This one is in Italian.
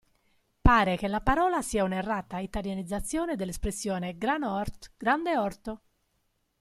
Pare che la parola sia un’errata italianizzazione dell’espressione “"gran’t ort"”, grande orto.